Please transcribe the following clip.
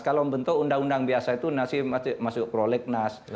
kalau membentuk undang undang biasa itu masih masuk prolegnas